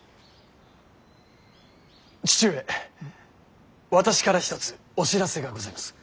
義父上私から一つお知らせがございます。